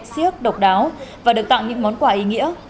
siếc độc đáo và được tặng những món quà ý nghĩa